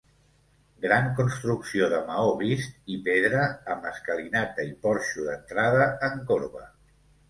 Gran construcció de maó vist i pedra, amb escalinata i porxo d'entrada en corba.